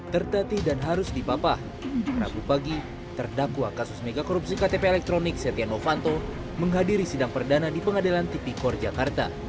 tertatih dan harus dipapah rabu pagi terdakwa kasus megakorupsi ktp elektronik setia novanto menghadiri sidang perdana di pengadilan tipikor jakarta